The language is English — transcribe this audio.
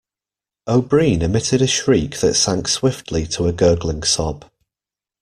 O'Brien emitted a shriek that sank swiftly to a gurgling sob.